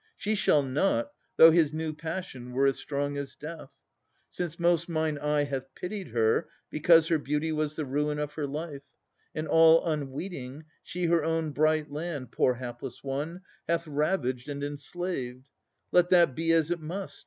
She shall not, Though his new passion were as strong as death; Since most mine eye hath pitied her, because Her beauty was the ruin of her life, And all unweeting, she her own bright land, Poor hapless one! hath ravaged and enslaved. Let that be as it must.